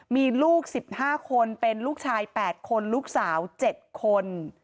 มีลูก๑๕คนเป็นลูกชาย๘คนลูกสาว๗คน